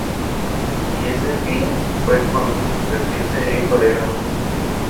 Y ese fin fue convertirse en coreógrafo.